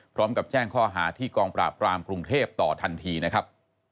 พร้อมกับแจ้งข้อหาที่กองปราบรามกรุงเทพต่อทันทีนะครับ